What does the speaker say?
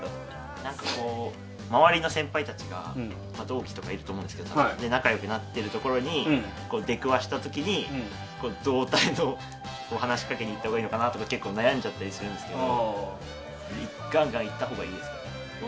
何か、周りの先輩たちが同期とかいると思うんですけど仲良くなってるところに出くわしたときに、どう話しかけに行ったらいいかとか結構悩んじゃったりするんですけどガンガン行ったほうがいいですか？